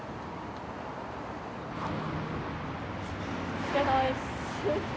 お疲れさまです。